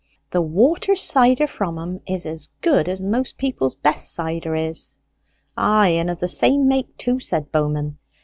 The water cider from 'em is as good as most people's best cider is." "Ay, and of the same make too," said Bowman.